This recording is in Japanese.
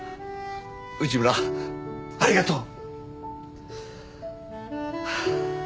内村ありがとう！